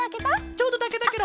ちょうどたけたケロ！